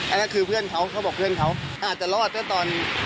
อันนั้นคือเพื่อนเขาเขาบอกเพื่อนเขาอาจจะรอดซะตอน